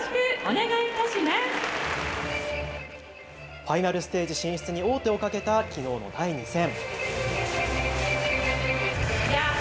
ファイナルステージ進出に王手をかけたきのうの第２戦。